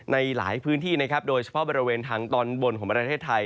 ในหลายพื้นที่นะครับโดยเฉพาะบริเวณทางตอนบนของประเทศไทย